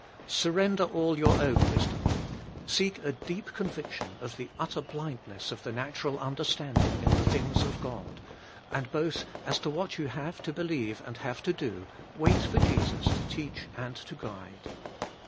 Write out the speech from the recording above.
Sur render all your own wisdom; seek a deep conviction of the utter blindness of the natural understanding in the things of God; and both as to what you have to believe and have to do, wait for Jesus to teach and to guide.